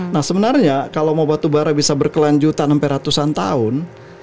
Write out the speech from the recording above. nah sebenarnya kalau mau batubara bisa berkelanjutan sampai ratusan tahun